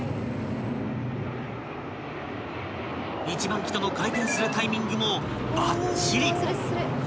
［１番機との回転するタイミングもばっちり］